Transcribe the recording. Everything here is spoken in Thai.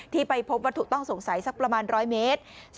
ไปพบวัตถุต้องสงสัยสักประมาณ๑๐๐เมตร